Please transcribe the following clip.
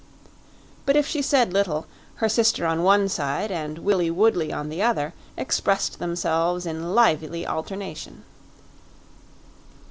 But if she said little, her sister on one side and Willie Woodley on the other expressed themselves in lively alternation.